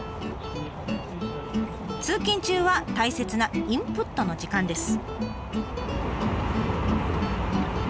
通勤中は大切なインプットの時間です。